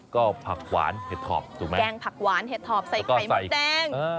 ก็ผักหวานเห็ดถอบแล้วก็ใส่ไข่มะแดง